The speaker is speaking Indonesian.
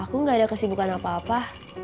aku gak ada kesibukan apa apa